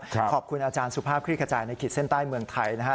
ขอบคุณอาจารย์สุภาพคลี่ขจายในขีดเส้นใต้เมืองไทยนะฮะ